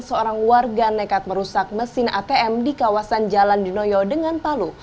seorang warga nekat merusak mesin atm di kawasan jalan dinoyo dengan palu